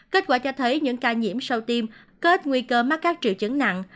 kết quả cho thấy những ca nhiễm sau tiêm có ít nguy cơ mắc cắp triệu chứng nặng